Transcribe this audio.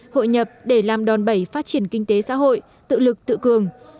hội nhập để làm đòn bẩy phát triển kinh tế xã hội tự lực tự cường